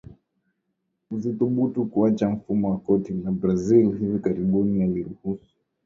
asithubutu kuachaMfumo wa korti ya Brazil hivi karibuni uliruhusu